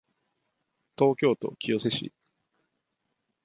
東京都清瀬市